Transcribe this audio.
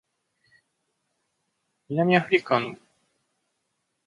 南アフリカの立法首都はケープタウンである